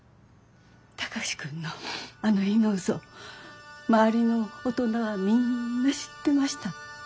高志くんのあの日のうそ周りの大人はみんな知ってました。